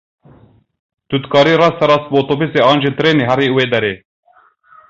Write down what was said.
Tu dikarî rasterast bi otobûsê an jî trênê herî wê derê.